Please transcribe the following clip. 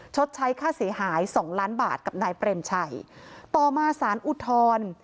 ชดใช้ค่าเสียหายสองล้านบาทกับนายเปรมชัยต่อมาสารอุทธรณ์